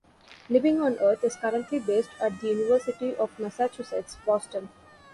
"Living on Earth" is currently based at the University of Massachusetts Boston.